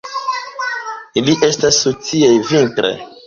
Ili estas sociaj vintre.